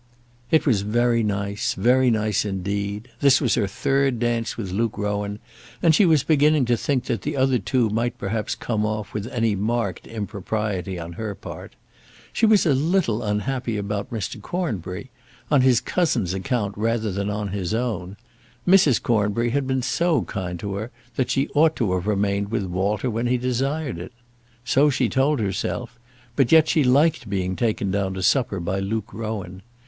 It was very nice, very nice indeed. This was her third dance with Luke Rowan, and she was beginning to think that the other two might perhaps come off without any marked impropriety on her part. She was a little unhappy about Mr. Cornbury, on his cousin's account rather than on his own. Mrs. Cornbury had been so kind to her that she ought to have remained with Walter when he desired it. So she told herself; but yet she liked being taken down to supper by Luke Rowan.